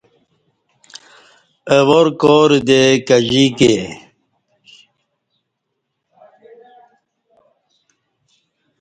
اہ وار کارہ دے کجییکے